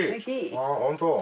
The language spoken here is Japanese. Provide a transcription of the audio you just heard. ああ本当。